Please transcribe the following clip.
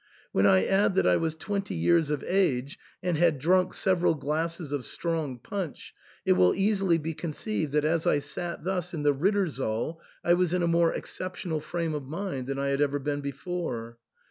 When I add that I was twenty years of age, and had drunk several glasses of strong punch, it will easily be conceived that as I sat thus in the Rittersaal I was in a more exceptional frame of mind than I had ever been before.